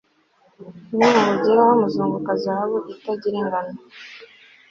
nimubugeraho, muzunguka zahabu itagira ingano